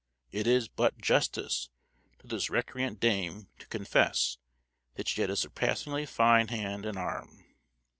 It is but justice to this recreant dame to confess that she had a surpassingly fine hand and arm.